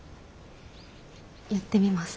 やってみます。